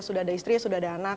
sudah ada istri sudah ada anak